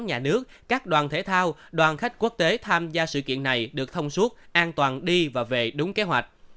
nhà nước các đoàn thể thao đoàn khách quốc tế tham gia sự kiện này được thông suốt an toàn đi và về đúng kế hoạch